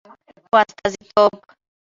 په استازیتوب